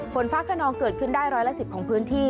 ฝนฟ้าขนองเกิดขึ้นได้ร้อยละ๑๐ของพื้นที่